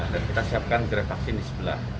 dan kita siapkan grep vaksin di sebelah